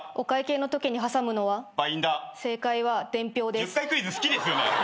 １０回クイズ好きですよね？